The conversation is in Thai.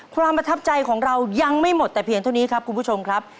ความประทับใจของเรายังไม่หมดแต่เพียงเท่านี้ครับคุณผู้ชมครับ